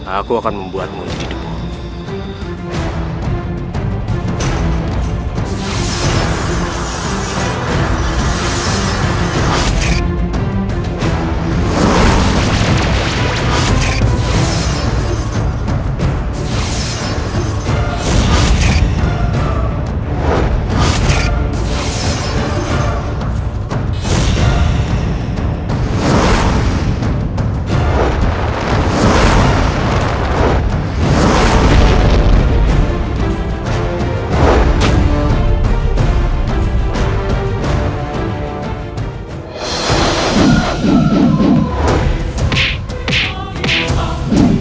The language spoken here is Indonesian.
aku akan membuatmu jadi demamu